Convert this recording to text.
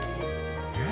えっ？